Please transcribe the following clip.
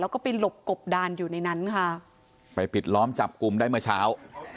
แล้วก็ไปหลบกบดานอยู่ในนั้นค่ะไปปิดล้อมจับกลุ่มได้เมื่อเช้า